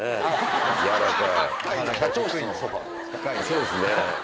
そうですね。